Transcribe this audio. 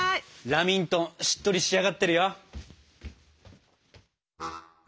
ラミントンしっとり仕上がってるよ！